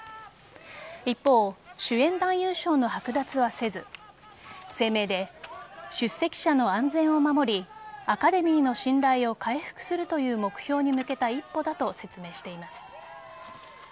一方、主演男優賞の剥奪はせず声明で、出席者の安全を守りアカデミーの信頼を回復するという目標に向けた一歩だと説明しています。